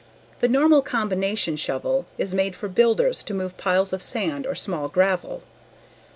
The normal "combination" shovel is made for builders to move piles of sand or small gravel.